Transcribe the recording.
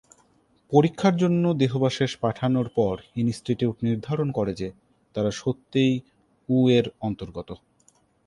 পরীক্ষার জন্য দেহাবশেষ পাঠানোর পর, ইনস্টিটিউট নির্ধারণ করে যে তারা সত্যিই উ এর অন্তর্গত।